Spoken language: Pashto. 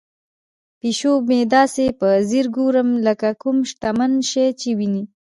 پیشو مې داسې په ځیر ګوري لکه کوم شکمن شی چې ویني.